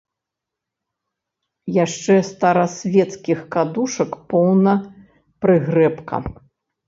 Яшчэ старасвецкіх кадушак поўна прыгрэбка.